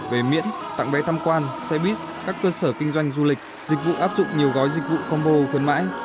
về miễn tặng vé tham quan xe buýt các cơ sở kinh doanh du lịch dịch vụ áp dụng nhiều gói dịch vụ combo khuyến mãi